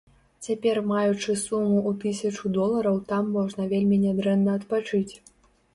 Цяпер маючы суму ў тысячу долараў там можна вельмі нядрэнна адпачыць.